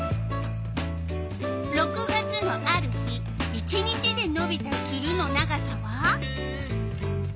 ６月のある日１日でのびたツルの長さは？